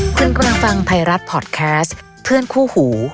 คุณกำลังฟังไทยรัฐพอร์ตแคสต์เพื่อนคู่หู